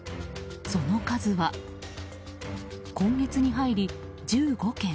その数は、今月に入り１５件。